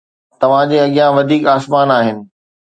توهان جي اڳيان وڌيڪ آسمان آهن